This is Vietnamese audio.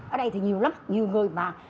ở đây thì nhiều lắm nhiều người mà